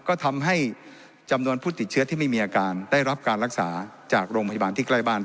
ก็ทำให้จำนวนผู้ติดเชื้อที่ไม่มีอาการได้รับการรักษาจากโรงพยาบาลที่ใกล้บ้าน